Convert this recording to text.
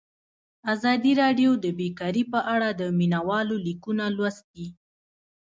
ازادي راډیو د بیکاري په اړه د مینه والو لیکونه لوستي.